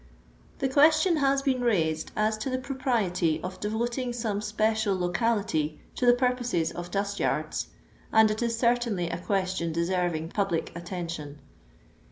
The question has been raised as to the propriety of devoting some special locality to the purposes^ of dust yards, and it is certainly a question de serving public attention.